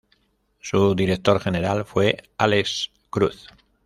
Su director general fue Álex Cruz.